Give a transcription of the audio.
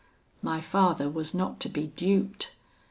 My father was not to be duped.